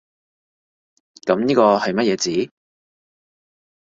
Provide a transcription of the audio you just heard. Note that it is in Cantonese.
噉呢個係乜嘢字？